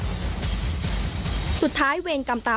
ตำรวจสพลัทยาวเค้นสอบจนได้แจ่งรับสารภาพ